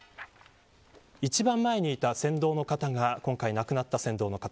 一番前にいた船頭の方が今回亡くなった船頭の方。